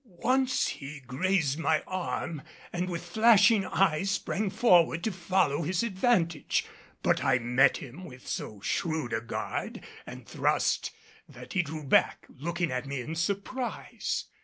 Once he grazed my arm and with flashing eye sprang forward to follow his advantage; but I met him with so shrewd a guard and thrust that he drew back, looking at me in surprise.